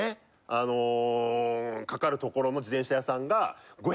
あのかかるところの自転車屋さんが。